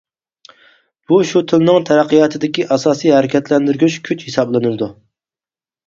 بۇ شۇ تىلنىڭ تەرەققىياتىدىكى ئاساسىي ھەرىكەتلەندۈرگۈچ كۈچ ھېسابلىنىدۇ.